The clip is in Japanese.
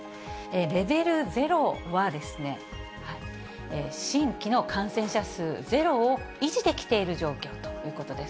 レベル０は、新規の感染者数ゼロを維持できているという状況ということです。